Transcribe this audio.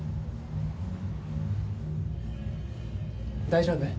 大丈夫？